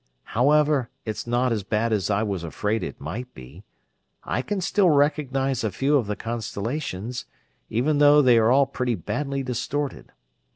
"However, it's not as bad as I was afraid it might be. I can still recognize a few of the constellations, even though they are all pretty badly distorted.